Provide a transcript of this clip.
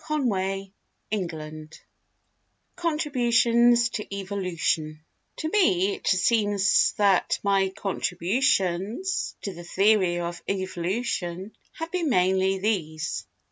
V Vibrations Contributions to Evolution To me it seems that my contributions to the theory of evolution have been mainly these: 1.